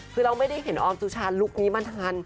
คือเราไม่ได้เห็นออมสุชาลุคนี้มาทัน